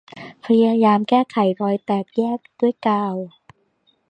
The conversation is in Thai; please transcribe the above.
พยายามแก้ไขรอยแยกด้วยกาว